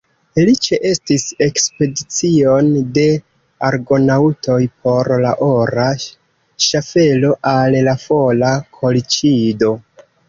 Li ĉeestis ekspedicion de Argonaŭtoj por la ora ŝaffelo al la fora Kolĉido.